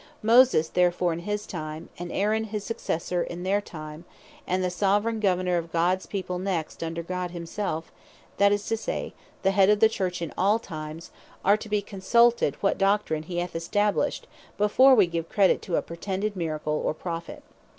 Moses therefore in his time, and Aaron, and his successors in their times, and the Soveraign Governour of Gods people, next under God himself, that is to say, the Head of the Church in all times, are to be consulted, what doctrine he hath established, before wee give credit to a pretended Miracle, or Prophet.